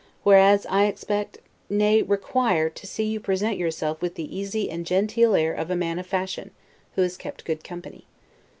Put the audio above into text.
whereas, I expect, nay, require, to see you present yourself with the easy and genteel air of a man of fashion, who has kept good company.